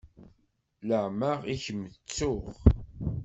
Leɛmeɛ i kem-ttuɣ.